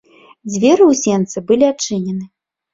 Дзверы ў сенцы былі адчынены.